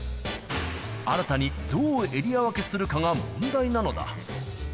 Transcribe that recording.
新たにどうエリア分けするかが問題なのだ。